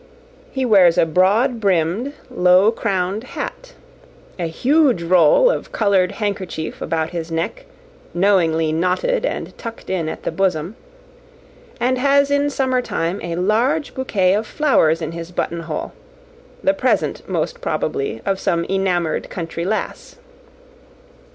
He wears a broad brimmed, low crowned hat; a huge roll of coloured handkerchief about his neck, knowingly knotted and tucked in at the bosom; and has in summer time a large bouquet of flowers in his buttonhole; the present, most probably, of some enamoured country lass.